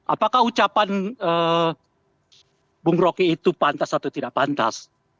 apakah ucapan bung rocky itu pantas atau tidak pantas